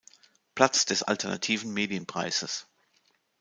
Platz des Alternativen Medienpreises.